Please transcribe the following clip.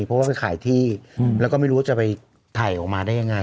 เพราะว่าไปขายที่แล้วก็ไม่รู้ว่าจะไปถ่ายออกมาได้ยังไง